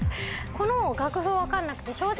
この楽譜は分かんなくて正直。